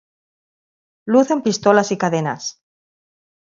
Lucen pistolas y cadenas.